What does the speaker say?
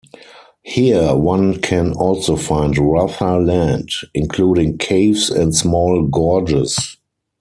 Here one can also find rougher land, including caves and small gorges.